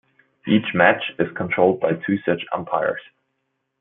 Each match is controlled by two such umpires.